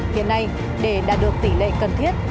hiện nay để đạt được tỷ lệ cần thiết